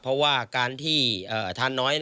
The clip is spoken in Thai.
เพราะว่าการที่ทานน้อย